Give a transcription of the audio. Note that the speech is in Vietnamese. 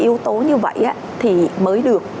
yếu tố như vậy thì mới được